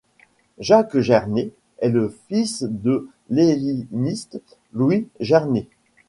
Jacques Gernet est le fils de l'helléniste Louis Gernet.